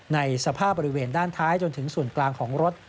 ในสภาพบริเวณด้านท้ายจนถึงส่วนกลางของรถ